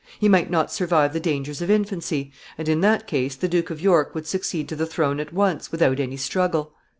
He might not survive the dangers of infancy, and in that case the Duke of York would succeed to the throne at once without any struggle.